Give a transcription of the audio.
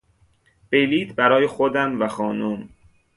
بلیط برای خودم و خانم